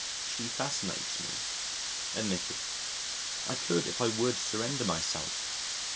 She fascinates me admitted. I could, if I would, surrender myself.